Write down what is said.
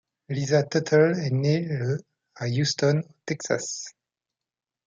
Lisa Tuttle est née le à Houston au Texas.